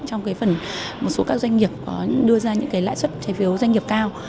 trong một số các doanh nghiệp có đưa ra những lãi suất trái phiếu doanh nghiệp cao